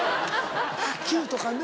「９とかね」。